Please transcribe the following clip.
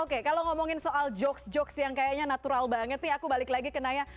oke kalau ngomongin soal jokes jokes yang kayaknya natural banget nih aku balik lagi ke naya